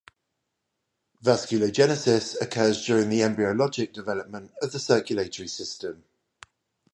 Vasculogenesis occurs during embryologic development of the circulatory system.